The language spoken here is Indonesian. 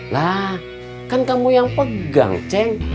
nah kan kamu yang pegang ceng